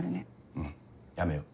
うんやめよう。